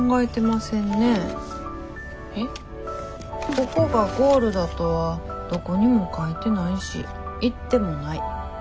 ここがゴールだとはどこにも書いてないし言ってもない。